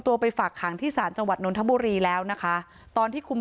ไปฝากขังที่ศาลจังหวัดนทบุรีแล้วนะคะตอนที่คุม